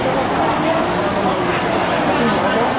ขอบคุณหมอครับ